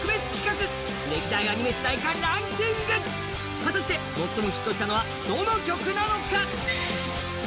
果たして最もヒットしたのはどの曲なのか。